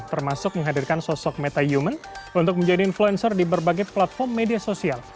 termasuk menghadirkan sosok meta human untuk menjadi influencer di berbagai platform media sosial